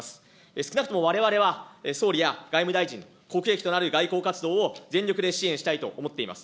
少なくともわれわれは、総理や外務大臣、国益となる外交活動を全力で支援したいと思っています。